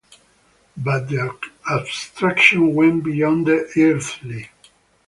But the abstraction went beyond the earthly.